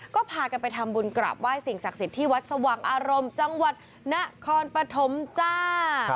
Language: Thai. ก็พากันไปทำบุญกราบไหว้สิ่งศักดิ์สิทธิ์ที่วัดสว่างอารมณ์จังหวัดนครปฐมจ้า